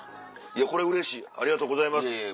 これうれしいありがとうございます。